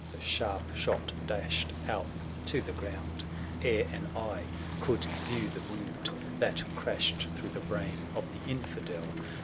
The sharp shot dashed Alp to the ground ; 830 Ere an eye could view the wound That crashed through the brain of the infidel.